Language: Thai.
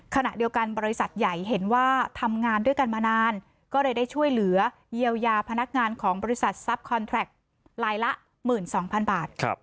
ขณะเดียวกันบริษัทใหญ่เห็นว่าทำงานด้วยกันมานานก็เลยได้ช่วยเหลือเยียวยาพนักงานของบริษัททรัพย์คอนแทรคลายละ๑๒๐๐๐บาท